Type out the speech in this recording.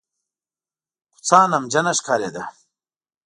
کوڅه نمجنه ښکارېده.